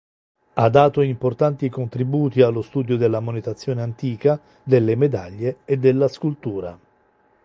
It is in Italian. Ha dato importanti contributi allo studio della monetazione antica, delle medaglie e della scultura.